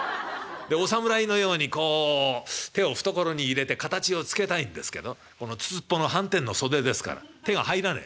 でお侍のようにこう手を懐に入れて形をつけたいんですけどこのつつっぽのはんてんの袖ですから手が入らねえ。